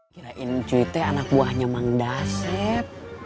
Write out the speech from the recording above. kirain cuy teh anak buahnya mang daset